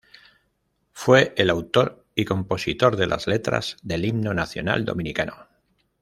Fue el autor y compositor de las letras del Himno Nacional Dominicano.